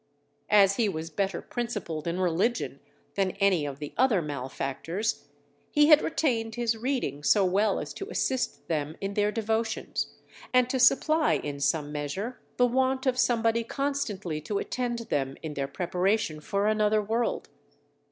As he was better principled in religion than any of the other malefactors, he had retained his reading so well as to assist them in their devotions, and to supply in some measure the want of somebody constantly to attend them in their preparation for another world.